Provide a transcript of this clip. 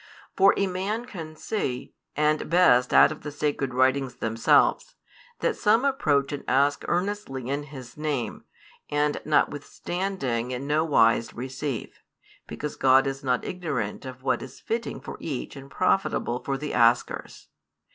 For a man can see, and best out of the Sacred Writings themselves, that some approach and ask earnestly in His Name, and notwithstanding in no wise receive; because God is not ignorant of what is fitting for each and profitable for the askers.